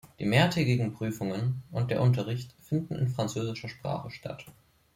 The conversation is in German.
Die mehrtägigen Prüfungen und der Unterricht finden in französischer Sprache statt.